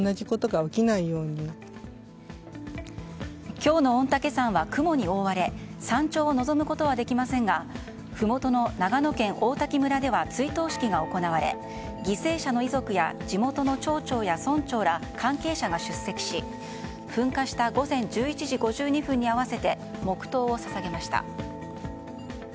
今日の御嶽山は雲に覆われ山頂を望むことはできませんがふもとの長野県王滝村では追悼式が行われ犠牲者の遺族や地元の町長や村長ら関係者が出席し、噴火した午前１１時５２分に合わせて黙祷を捧げました。